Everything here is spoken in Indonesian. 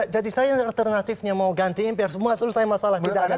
jadi saya yang alternatifnya mau gantiin biar semua selesai masalah tidak ada lagi